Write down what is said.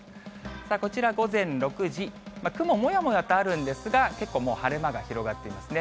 こちら、午前６時、雲、もやもやとあるんですが、結構もう晴れ間が広がっていますね。